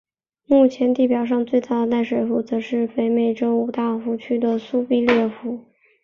目前地表上最大的淡水湖则是北美洲五大湖区的苏必略湖。